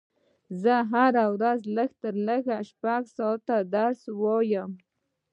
زه هره ورځ لږ تر لږه شپږ ساعته درس وایم